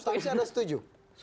tapi substansinya ada setuju